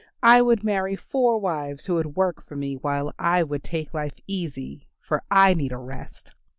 I would marry four wives who would work for me while I would take life easy, for I need a rest."